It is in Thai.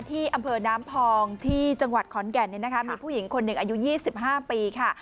ที่อำเภอน้ำพองที่จังหวัดขอนแก่นมีผู้หญิงคนหนึ่งอายุ๒๕ปีค่ะ